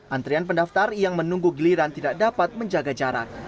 antrian pendaftar yang menunggu giliran tidak dapat menjaga jarak